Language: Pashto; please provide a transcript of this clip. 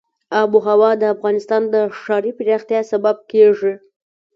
آب وهوا د افغانستان د ښاري پراختیا سبب کېږي.